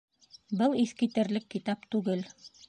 Был иҫ китерлек китап түгел